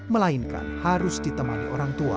melainkan harus ditemani orang tua